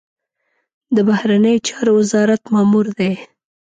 د بهرنیو چارو وزارت مامور دی.